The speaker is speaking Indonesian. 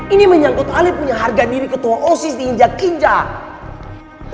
ini menyangkut alif punya harga diri ketua osis diinjak injak